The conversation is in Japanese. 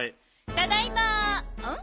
ただいまん？